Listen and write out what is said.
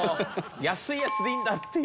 安いやつでいいんだっていう。